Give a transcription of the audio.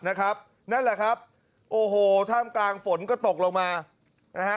นั่นแหละครับโอ้โหท่ามกลางฝนก็ตกลงมานะฮะ